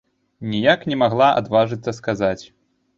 Ніяк не магла адважыцца сказаць.